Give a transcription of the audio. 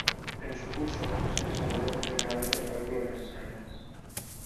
En su "Curso" se desarrolló por primera vez el cálculo de las escaleras.